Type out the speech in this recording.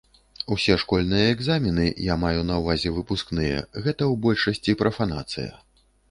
Усе школьныя экзамены, я маю на ўвазе выпускныя, гэта ў большасці прафанацыя.